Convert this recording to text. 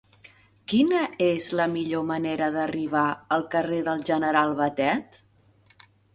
Quina és la millor manera d'arribar al carrer del General Batet?